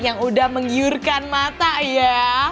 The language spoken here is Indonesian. yang udah menggiurkan mata ya